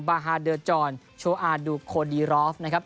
บาฮาเดอร์จอนโชอาดูโคดีรอฟนะครับ